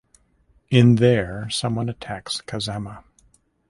In there someone attacks Kazama.